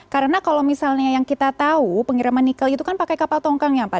karena kalau misalnya yang kita tahu pengiriman nikel itu kan pakai kapal tongkang ya pak